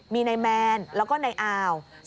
มีในแมนแล้วก็ในอาว